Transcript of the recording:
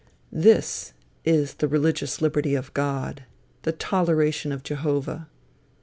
This is the religious liberty of God; the toleration of Jehovah.